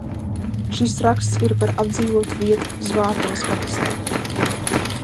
Šis raksts ir par apdzīvotu vietu Zvārtavas pagastā.